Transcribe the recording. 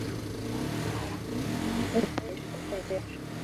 batatumenyesheje bagamije mu gusenya ikipe yacu.